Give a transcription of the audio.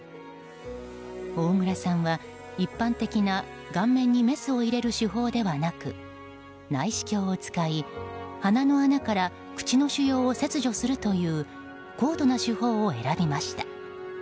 大村さんは一般的な顔面にメスを入れる手法ではなく内視鏡を使い、鼻の穴から口の腫瘍を切除するという高度な手法を選びました。